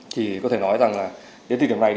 thì có thể nói rằng là đến thời điểm này